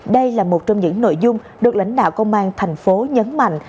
đây là một trong những nội dung được lãnh đạo công an tp hcm nhấn mạnh